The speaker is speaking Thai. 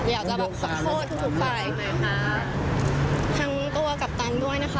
อยากจะแบบขอโทษทุกทุกฝ่ายนะคะทั้งตัวกัปตันด้วยนะคะ